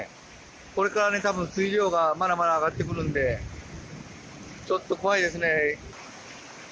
これから多分、水量がまだまだ上がってくるのでちょっと怖いですね。